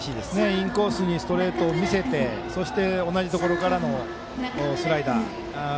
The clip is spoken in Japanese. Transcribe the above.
インコースにストレートを見せてそして、同じところからのスライダー。